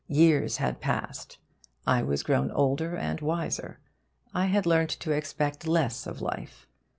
Years had passed. I was grown older and wiser. I had learnt to expect less of life.